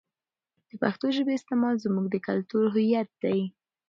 د پښتو ژبې استعمال زموږ د کلتور هویت دی.